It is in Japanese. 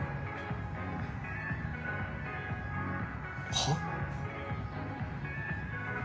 はっ？